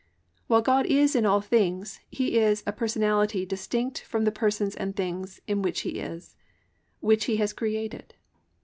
While God is in all things, He is a personality distinct from the persons and things in which He is, which He has created.